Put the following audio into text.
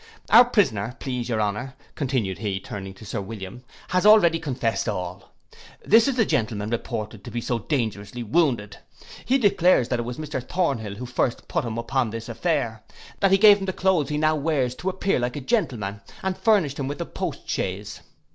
Our prisoner, please your honour,' continued he, turning to Sir William, 'has already confessed all. This is the gentleman reported to be so dangerously wounded: He declares that it was Mr Thornhill who first put him upon this affair, that he gave him the cloaths he now wears to appear like a gentleman, and furnished him with the post chaise.